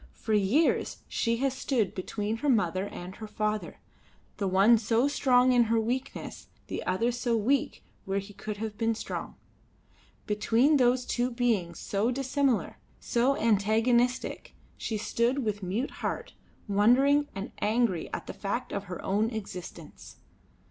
For years she had stood between her mother and her father, the one so strong in her weakness, the other so weak where he could have been strong. Between those two beings so dissimilar, so antagonistic, she stood with mute heart wondering and angry at the fact of her own existence.